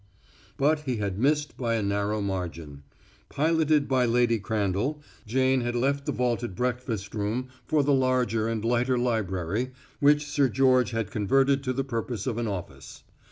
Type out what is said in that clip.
But he had missed by a narrow margin. Piloted by Lady Crandall, Jane had left the vaulted breakfast room for the larger and lighter library, which Sir George had converted to the purpose of an office.